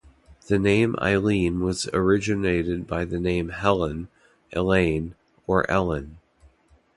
The name Eileen was originated by the name Helen, Elaine, or Ellen.